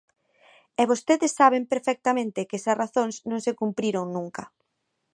E vostedes saben perfectamente que esas razóns non se cumpriron nunca.